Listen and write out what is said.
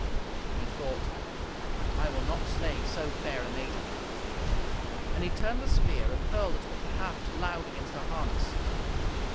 He thought, "I will not slay so fair a maiden," and he turned the spear, and hurled it wit the haft loud against her harness.